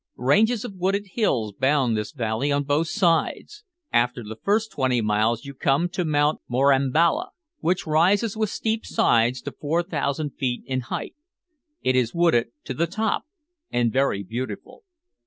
Ranges of wooded hills bound this valley on both sides. After the first twenty miles you come to Mount Morambala, which rises with steep sides to 4000 feet in height. It is wooded to the top, and very beautiful.